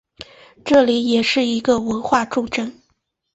这里也是一个文化重镇。